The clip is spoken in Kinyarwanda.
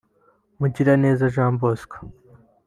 Mugiraneza Jean Bosco